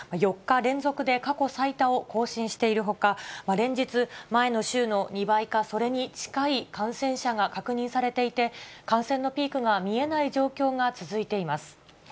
４日連続で過去最多を更新しているほか、連日、前の週の２倍か、それに近い感染者が確認されていて、感染のピークが見えない状況が続いています。